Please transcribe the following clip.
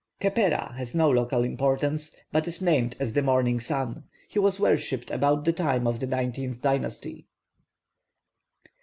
+Khepera+ has no local importance, but is named as the morning sun. He was worshipped about the time of the nineteenth dynasty.